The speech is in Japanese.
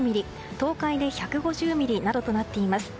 東海で１５０ミリなどとなっています。